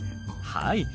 はい。